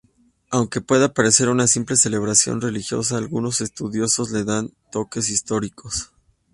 Aunque pueda parecer una simple celebración religiosa, algunos estudiosos le dan toques históricos.